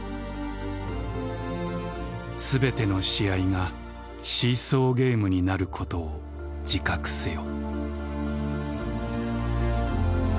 「全ての試合がシーソーゲームになることを自覚せよ」。